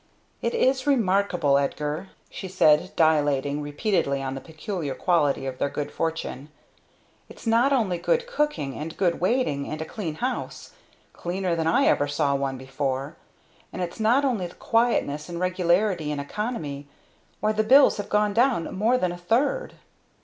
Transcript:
"It is remarkable, Edgar," she said, dilating repeatedly on the peculiar quality of their good fortune. "It's not only good cooking, and good waiting, and a clean house cleaner than I ever saw one before; and it's not only the quietness, and regularity and economy why the bills have gone down more than a third!"